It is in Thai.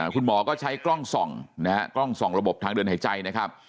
คุณหมอก็ใช้กล้องส่องนะฮะกล้องส่องระบบทางเดินหายใจนะครับ